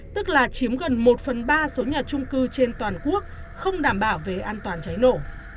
tức là chiếm gần một phần ba số nhà trung cư trên toàn quốc không đảm bảo về an toàn cháy nổ